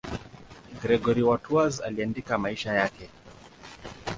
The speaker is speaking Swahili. Gregori wa Tours aliandika maisha yake.